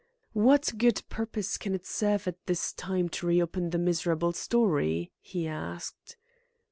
"What good purpose can it serve at this time to reopen the miserable story?" he asked.